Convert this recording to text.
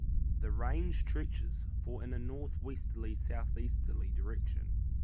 The range stretches for in a northwest-southeasterly direction.